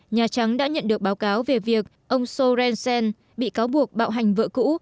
nhà trắng đã nhận được báo cáo về việc ông sorensen bị cáo buộc bạo hành vợ cũ